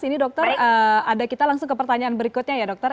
ini dokter ada kita langsung ke pertanyaan berikutnya ya dokter